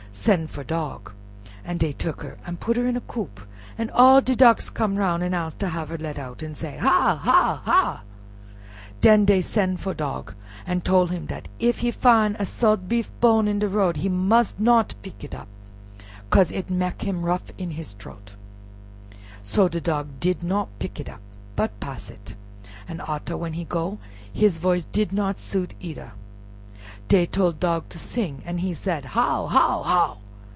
Sen' for Dog." An' dey took her an' put her in a coop, an' all de ducks come round an' ask to have her let out, an' say, "Hahh! hahh! hahh!" Den dey sen' for Dog an' tole him dat if he fin' a salt beef bone in de road, he mus' not pick it up, 'cos it mek him rough in his troat. So Dog did not pick it up, but pass it; but arter, when he go, his voice did not suit either. Dey tole Dog to sing, an' he said, "How! how! how!"